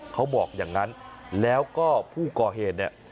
เขาบอกอย่างนั้นแล้วก็ผู้ก่อเหตุเนี่ย